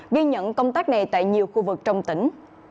ghi nhận công tác này tại nhiều khu vực trong tỉnh